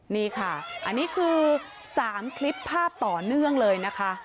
นี่ค่ะอันนี้คือ๓คลิปภาพต่อเนื่องเลยนะคะ